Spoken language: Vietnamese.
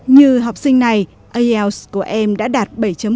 như học sinh này ielts của em đã đạt bảy